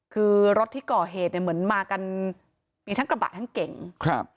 คือรถที่ก่อเหตุเนี่ยเหมือนมากันมีทั้งกระบะทั้งเก่งครับ